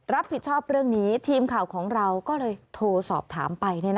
รับผิดชอบเรื่องนี้ทีมข่าวของเราก็เลยโทรสอบถามไป